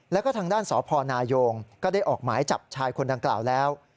แล้วก็ทางด้านสพนายงก็ได้ออกหมายจับชายคนดังกล่าวแล้ว